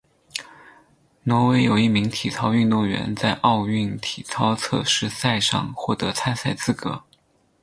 挪威有一名体操运动员在奥运体操测试赛上获得参赛资格。